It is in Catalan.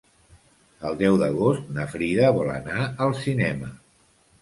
El deu d'agost na Frida vol anar al cinema.